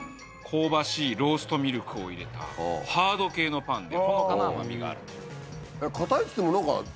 香ばしいローストミルクを入れたハード系のパンでほのかな甘みがあると。